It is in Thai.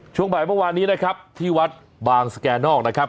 ช่วงบ่ายเมื่อวานนี้นะครับที่วัดบางสแก่นอกนะครับ